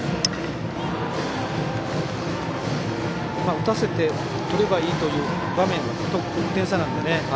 打たせてとればいいという場面でそして、点差なのでね。